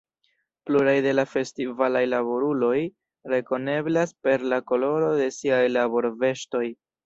Pluraj de la festivalaj laboruloj rekoneblas per la koloro de siaj laborveŝtoj.